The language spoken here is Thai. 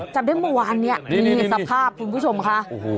จับได้เมื่อวานเนี่ยนี่สภาพคุณผู้ชมค่ะ